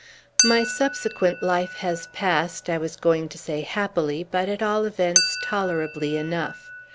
My subsequent life has passed, I was going to say happily, but, at all events, tolerably enough.